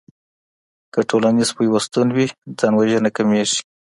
که ټولنيز پيوستون وي ځان وژنه کميږي.